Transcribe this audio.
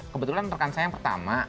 kebetulan rekan saya yang pertama